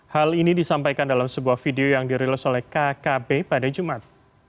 hal ini disampaikan dalam sebuah video yang dirilis oleh kkb pada jumat